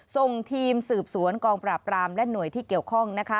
ส่งทีมสืบสวนกองปราบรามและหน่วยที่เกี่ยวข้อง